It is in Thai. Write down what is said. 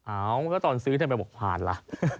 อ้าวมันก็ตอนซื้อแทนไปบอกผ่านล่ะ